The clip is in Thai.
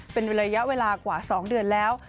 เป็นระยะเวลากว่า๒เดือนแล้ว